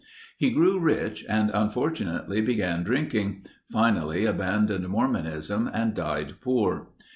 He grew rich and unfortunately began drinking; finally abandoned Mormonism and died poor.